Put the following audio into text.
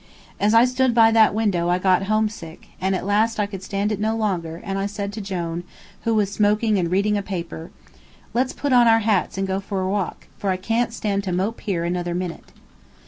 As I stood by that window I got homesick, and at last I could stand it no longer, and I said to Jone, who was smoking and reading a paper: "Let's put on our hats and go out for a walk, for I can't mope here another minute."